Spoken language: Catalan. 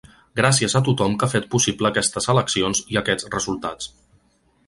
Gràcies a tothom que ha fet possible aquestes eleccions i aquests resultats.